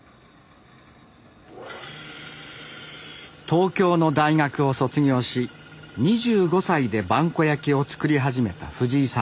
東京の大学を卒業し２５歳で萬古焼を作り始めた藤井さん。